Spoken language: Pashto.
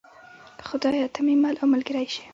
خدایه ته مې مل او ملګری شې.